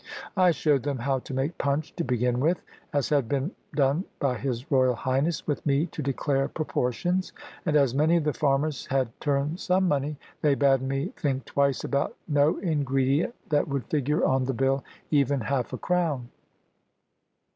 I showed them how to make punch to begin with, as had been done by his Royal Highness, with me to declare proportions; and as many of the farmers had turned some money, they bade me think twice about no ingredient that would figure on the bill, even half a crown.